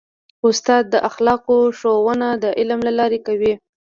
استاد د اخلاقو ښوونه د عمل له لارې کوي.